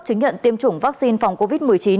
chứng nhận tiêm chủng vaccine phòng covid một mươi chín